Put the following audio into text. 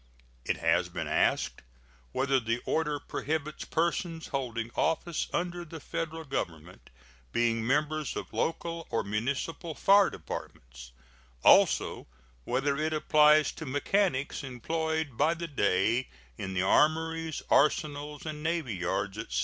It has been asked whether the order prohibits persons holding office under the Federal Government being members of local or municipal fire departments; also whether it applies to mechanics employed by the day in the armories, arsenals, and navy yards, etc.